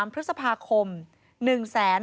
๒๓พฤษภาคม๑๒๒๐๐๐บาท